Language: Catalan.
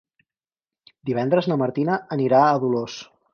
Divendres na Martina anirà a Dolors.